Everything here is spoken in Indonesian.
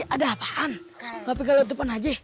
udah kita lot belon aja